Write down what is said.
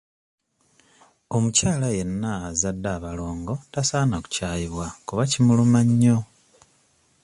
Omukyala yenna azadde abalongo tasaana kukyayibwa kuba kimuluma nnyo.